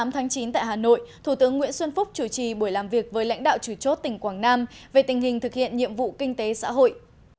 một mươi chín tháng chín tại hà nội thủ tướng nguyễn xuân phúc chủ trì buổi làm việc với lãnh đạo chủ chốt tỉnh quảng nam về tình hình thực hiện nhiệm vụ kinh tế xã hội